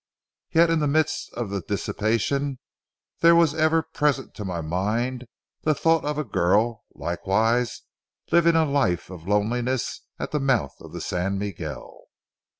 Yet in the midst of the dissipation, there was ever present to my mind the thought of a girl, likewise living a life of loneliness at the mouth of the San Miguel.